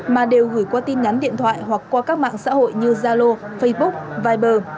mà đều gửi qua tin nhắn điện thoại hoặc qua các mạng xã hội như zalo facebook viber